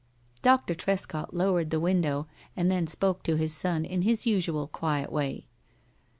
Doctor Trescott lowered the window, and then spoke to his son in his usual quiet way.